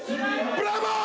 ブラボー！